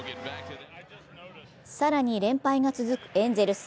更に連敗が続くエンゼルス。